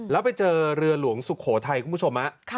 แล้วไปเจอเรือหลวงสุโขทัยคุณผู้ชม